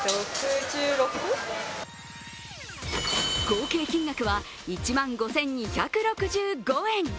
合計金額は１万５２６５円。